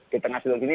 di tengah situ gini